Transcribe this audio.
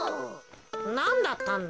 なんだったんだ？